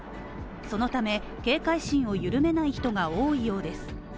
そのため、警戒心を緩めない人が多いようです。